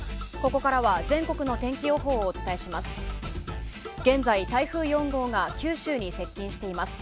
ここからは全国の天気予報をお伝えします。